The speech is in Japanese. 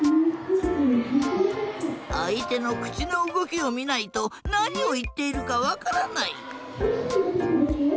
あいてのくちのうごきをみないとなにをいっているかわからない。